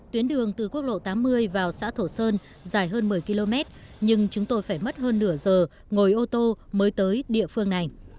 tuyến đường từ quốc lộ tám mươi vào xã thổ sơn dài hơn một mươi km nhưng chúng tôi phải mất hơn nửa giờ ngồi ô tô mới tới địa phương này